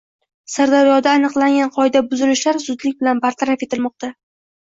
Sirdaryoda aniqlangan qoida buzilishlar zudlik bilan bartaraf etilmoqda